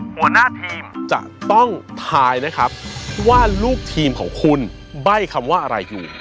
หัวหน้าทีมจะต้องทายนะครับว่าลูกทีมของคุณใบ้คำว่าอะไรอยู่